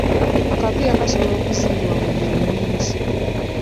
Akapiira kasobola okuzingibwa mu ngeri nnyingi.